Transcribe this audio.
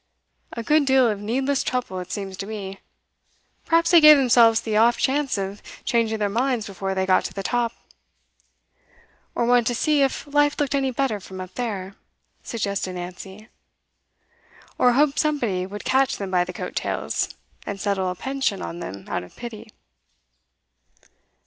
A good deal of needless trouble, it seems to me. Perhaps they gave themselves the off chance of changing their minds before they got to the top.' 'Or wanted to see if life looked any better from up there,' suggested Nancy. 'Or hoped somebody would catch them by the coat tails, and settle a pension on them out of pity.